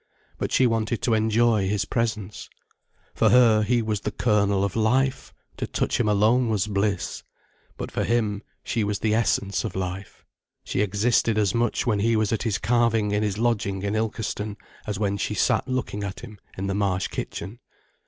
But she wanted to enjoy his presence. For her, he was the kernel of life, to touch him alone was bliss. But for him, she was the essence of life. She existed as much when he was at his carving in his lodging in Ilkeston, as when she sat looking at him in the Marsh kitchen.